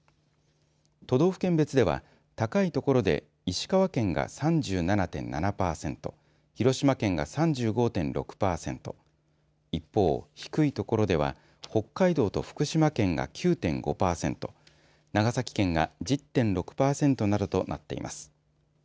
都道府県別では、高い所で石川県が３７．７パーセント広島県が３５．６パーセント一方、低い所では北海道と福島県が９．５パーセント長崎県が１０．６パーセントなどとなっています。